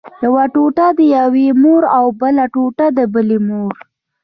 یوه ټوټه د یوې مور او بله ټوټه د بلې مور.